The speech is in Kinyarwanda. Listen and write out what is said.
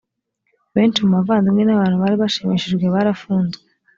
benshi mu bavandimwe n’abantu bari bashimishijwe barafunzwe